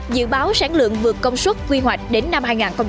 dự báo sản lượng vượt công suất quy hoạch đến năm hai nghìn ba mươi